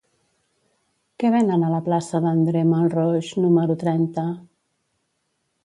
Què venen a la plaça d'André Malraux número trenta?